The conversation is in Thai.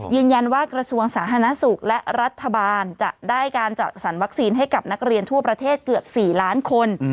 กระทรวงสาธารณสุขและรัฐบาลจะได้การจัดสรรวัคซีนให้กับนักเรียนทั่วประเทศเกือบ๔ล้านคน